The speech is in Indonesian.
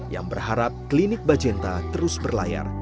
yang berharap klinik bajenta terus berlayar